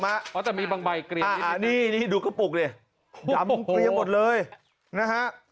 เพราะจะมีบางใบเกลี่ยนี่นี่นี่ดูกระปุกเยี่ยมตัวเลยนะฮะ